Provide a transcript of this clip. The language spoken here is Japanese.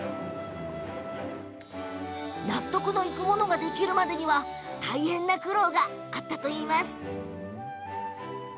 納得のいくものができるまでには大変な苦労があったんだそうです。